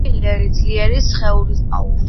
როტვეილერი ძლიერი სხეულის და ყბების მქონე ძაღლია.